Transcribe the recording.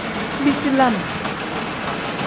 Biti lam.